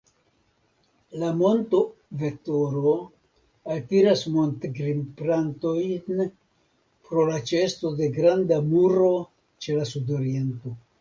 La monto Vetoro altiras montgrimpantojn pro la ĉeesto de granda muro ĉe la sudoriento.